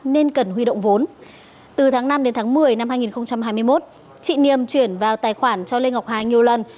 nên cần huy động vốn từ tháng năm đến tháng một mươi năm hai nghìn hai mươi một chị niềm chuyển vào tài khoản cho lê ngọc hà nhiều lần